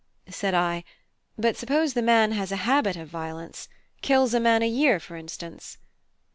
Said I: "But suppose the man has a habit of violence, kills a man a year, for instance?"